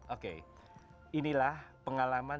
oke inilah pengalaman